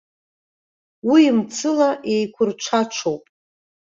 Уи мцыла еиқәырҽаҽоуп!